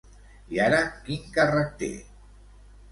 I ara quin càrrec té?